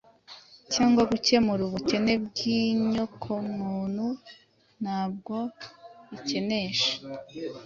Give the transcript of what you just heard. cyangwa gukemura ubukene bw’inyokomuntu ntabwo bikenesha.